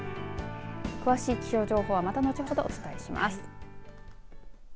詳しい気象情報は後ほどまとめてお伝えします。